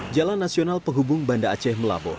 jalan nasional penghubung banda aceh melabuh